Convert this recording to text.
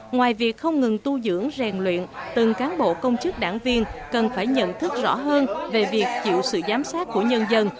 ngoài việc không ngừng tu dưỡng rèn luyện từng cán bộ công chức đảng viên cần phải nhận thức rõ hơn về việc chịu sự giám sát của nhân dân